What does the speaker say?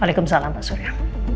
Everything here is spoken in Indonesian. waalaikumsalam pak surya